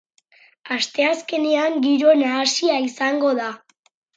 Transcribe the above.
Asteazkenean giro nahasia izango da.